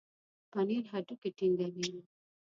پنېر هډوکي ټينګوي.